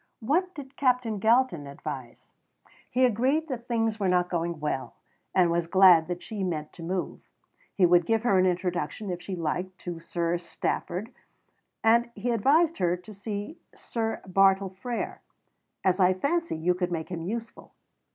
What did Captain Galton advise? He agreed that things were not going well, and was glad that she meant to move. He would give her an introduction, if she liked, to Sir Stafford, and he advised her to see Sir Bartle Frere, "as I fancy you could make him useful."